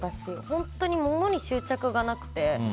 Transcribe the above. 本当にものに執着がなくて。